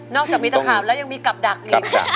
นอกจากมิตรขาบแล้วยังมีกับดักเนี่ยค่ะ